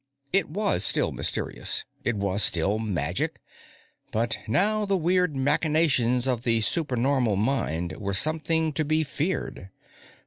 It was still mysterious; it was still magic; but now the weird machinations of the supernormal mind were something to be feared.